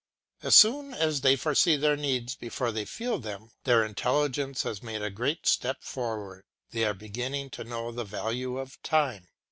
As soon as they foresee their needs before they feel them, their intelligence has made a great step forward, they are beginning to know the value of time.